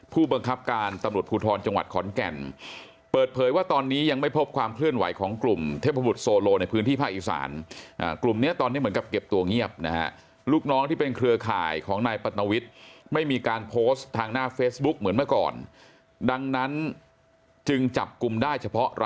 ผู้บังคับการตำรวจภูทรจังหวัดขอนแก่นเปิดเผยว่าตอนนี้ยังไม่พบความเคลื่อนไหวของกลุ่มเทพบุตรโซโลในพื้นที่ภาคอีสานกลุ่มเนี้ยตอนนี้เหมือนกับเก็บตัวเงียบนะฮะลูกน้องที่เป็นเครือข่ายของนายปัตนวิทย์ไม่มีการโพสต์ทางหน้าเฟซบุ๊กเหมือนเมื่อก่อนดังนั้นจึงจับกลุ่มได้เฉพาะร